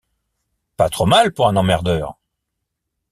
Pas trop mal pour un emmerdeur.